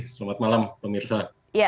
selamat malam pemirsa